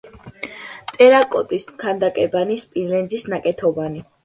ტერაკოტის ქანდაკებანი, სპილენძის ნაკეთობანი.